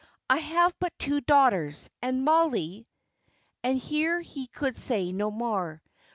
I have but two daughters, and Mollie " And here he could say no more.